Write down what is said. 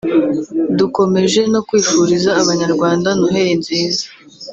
dukomeje no kwifuriza Abanyarwanda Noheli nziza”